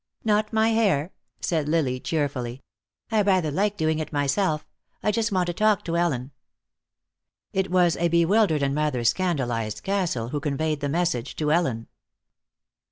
"Not my hair," said Lily, cheerfully. "I rather like doing it myself. I just want to talk to Ellen." It was a bewildered and rather scandalized Castle who conveyed the message to Ellen.